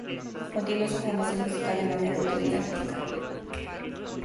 Continuó su formación musical de manera autodidacta.